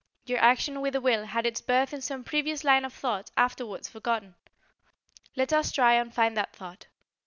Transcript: Your action with the will had its birth in some previous line of thought afterwards forgotten. Let us try and find that thought.